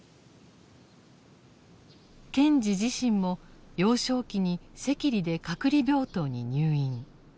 賢治自身も幼少期に赤痢で隔離病棟に入院。